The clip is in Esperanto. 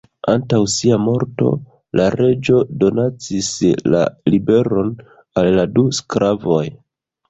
Antaŭ sia morto, la reĝo donacis la liberon al la du sklavoj.